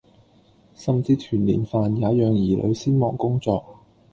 甚至團年飯也讓兒女先忙工作